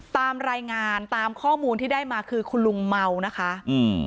ตามรายงานตามข้อมูลที่ได้มาคือคุณลุงเมานะคะอืม